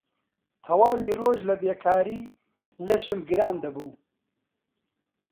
تەواوی ڕۆژ لە بێکاری لەشم گران دەبوو